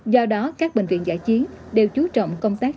do đó các bệnh viện giải trí đều chú trọng công tác